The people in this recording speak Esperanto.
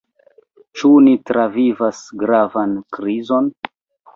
Ĉu ni travivas gravan krizon?